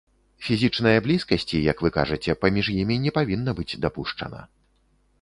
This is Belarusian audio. Фізічнае блізкасці, як вы кажаце, паміж імі не павінна быць дапушчана.